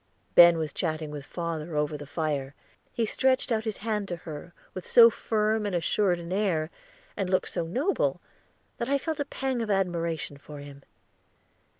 Ben was chatting with father over the fire; he stretched out his hand to her, with so firm and assured an air, and looked so noble, that I felt a pang of admiration for him.